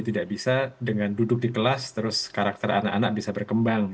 tidak bisa dengan duduk di kelas terus karakter anak anak bisa berkembang